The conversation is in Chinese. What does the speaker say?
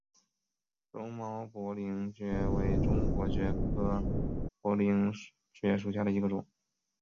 绒毛薄鳞蕨为中国蕨科薄鳞蕨属下的一个种。